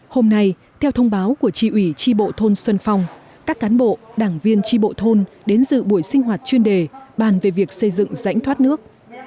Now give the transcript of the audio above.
hôm nay theo thông báo của tri ủy tri bộ thôn xuân phong các cán bộ đảng viên tri bộ thôn đến dự buổi sinh hoạt chuyên đề bàn về việc xây dựng rãnh thoát nước